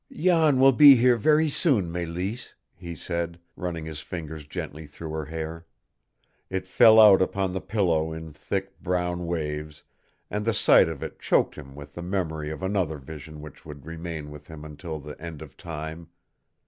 "Jan will be here very soon, Mélisse," he said, running his fingers gently through her hair. It fell out upon the pillow in thick brown waves, and the sight of it choked him with the memory of another vision which would remain with him until the end of time.